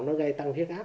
nó gây tăng thiết áp